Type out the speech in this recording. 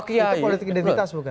itu politik identitas bukan